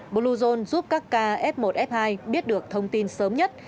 bluezone giúp các ca f một f hai biết được thông tin sớm nhất